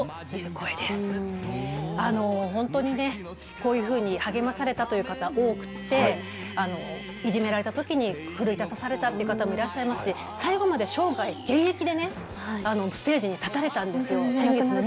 こういうふうに励まされたという方、多くていじめられたときに奮い立たされたという方もいらっしゃいましたし最後まで生涯現役でステージに立たれたんですよ。